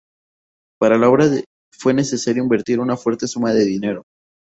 Para la obra fue necesario invertir una fuerte suma de dinero.